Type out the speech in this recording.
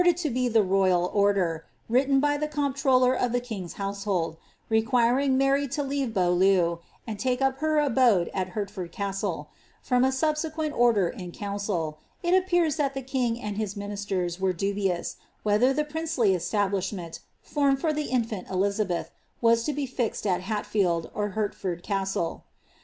131 die ro3nl order, written by the comptroller of the king's household, raqniriug Mary to leave Beaulieu, and take ' up her abc^e at Hertford OMtle ; from a subsequent order in council, it appears that the king and his ministers were dubious, whether the princely establislinient, formed ibr the infant Elizabeth, was to be fixed at Hatfield, or Hertford Castle.